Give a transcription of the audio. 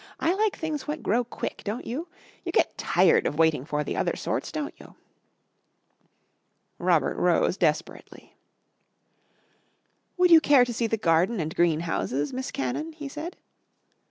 I like things what grow quick, don't you? You get tired of waiting for the other sorts, don't you?" Robert rose desperately. "Would you care to see the garden and green houses, Miss Cannon?" he said.